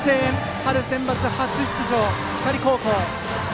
春センバツ初出場の光高校。